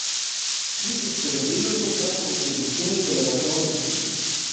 Dies ist für den Bildungsprozess und für die junge Generation wichtig.